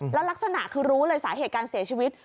แล้วลักษณะคือรู้เลยสาเหตุการเสียชีวิต